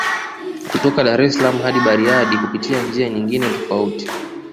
Kutoka Dar es salaaam hadi Bariadi kupitia njia nyingine tofauti